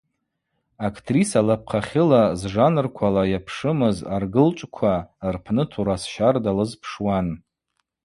Актриса лапхъахьыла зжанрквала йапшымыз аргылчӏвква рпны турас щарда лызпшуан.